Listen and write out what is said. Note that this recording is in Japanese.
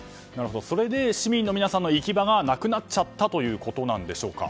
それで市民の皆さんの行き場がなくなったということでしょうか。